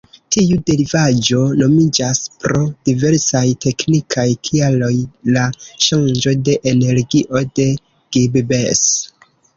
Tiu derivaĵo nomiĝas, pro diversaj teknikaj kialoj, la ŝanĝo de energio de Gibbs.